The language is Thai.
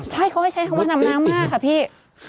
ใช่เขาให้ใช้คำว่าดำน้ำมากค่ะพี่